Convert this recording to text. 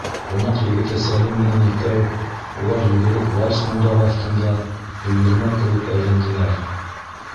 Ҡунаҡ егете Сәлим менән икәү улар югерек вальс моңдары аҫтында өйөрмә кеүек әйләнделәр.